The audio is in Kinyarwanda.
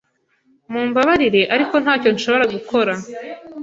Mumbabarire, ariko ntacyo nshobora gukora.